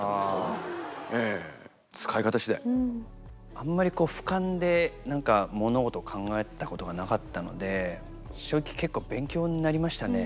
あんまりこう俯瞰で何か物事を考えたことがなかったので正直結構勉強になりましたね。